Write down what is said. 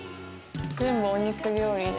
全部お肉料理で。